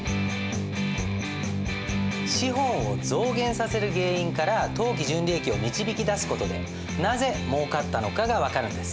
資本を増減させる原因から当期純利益を導き出す事でなぜもうかったのかが分かるんです。